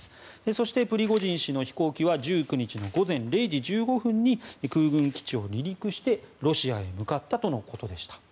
そして、プリゴジン氏の飛行機は１９日の午前０時１５分に空軍基地を離陸してロシアへ向かったとのことでした。